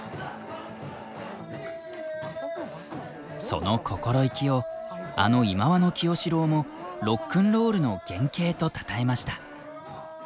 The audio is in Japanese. その心意気をあの忌野清志郎も「ロックンロールの原型」とたたえました。